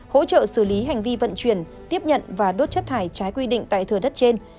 hỗ trợ xử lý hành vi vận chuyển tiếp nhận và đốt chất thải trái quy định tại thừa đất trên